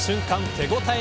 手応え